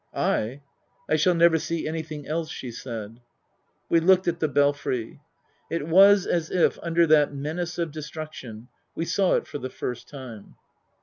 " I ? I shall never see anything else," she said. We looked at the Belfry. It was as if, under that menace of destruction, we saw it for the first time.